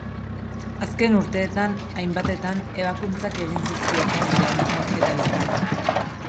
Azken urteetan, hainbatetan ebakuntzak egin zizkioten belaunetan eta bizkarran.